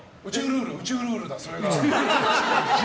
宇宙ルールだ、それが。